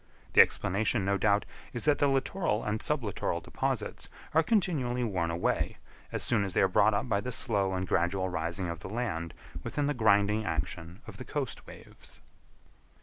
The explanation, no doubt, is that the littoral and sub littoral deposits are continually worn away, as soon as they are brought up by the slow and gradual rising of the land within the grinding action of the coast waves.